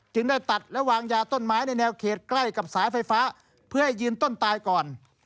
ได้ตัดและวางยาต้นไม้ในแนวเขตใกล้กับสายไฟฟ้าเพื่อให้ยืนต้นตายก่อน